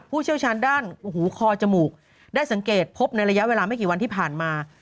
เชี่ยวชาญด้านหูคอจมูกได้สังเกตพบในระยะเวลาไม่กี่วันที่ผ่านมา